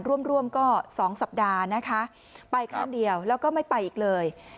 ร่วมร่วมก็๒สัปดาห์นะคะไปครั้งเดียวแล้วก็ไม่ไปอีกเลย